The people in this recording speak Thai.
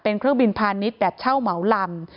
เป็นเครื่องบินพาณิชย์แบบเช่าเหมาลำ